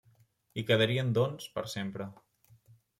Hi quedarien doncs per sempre.